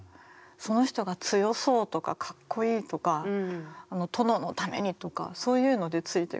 その人が強そうとかかっこいいとか「殿のために！」とかそういうのでついてくる。